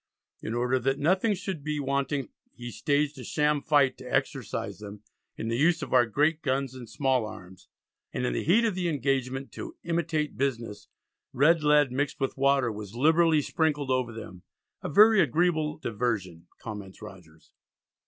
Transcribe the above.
In order that nothing should be wanting he staged a sham fight to exercise them "in the use of our great guns and small arms," and in the heat of the engagement "to imitate business," red lead mixed with water, was liberally sprinkled over them; "a very agreeable diversion," comments Rogers.